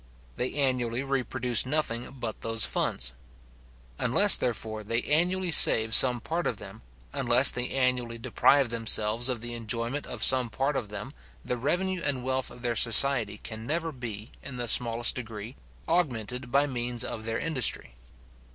They annually reproduce nothing but those funds. Unless, therefore, they annually save some part of them, unless they annually deprive themselves of the enjoyment of some part of them, the revenue and wealth of their society can never be, in the smallest degree, augmented by means of their industry.